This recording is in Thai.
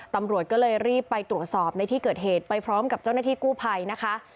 ตำรวจก็เลยรีบไปตรวจสอบในที่เกิดเหตุไปพร้อมกับเจ้าหน้าที่กู้ภัยนะคะ